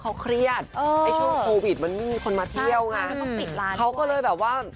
เพื่อสิ่งที่เราต้องการจริง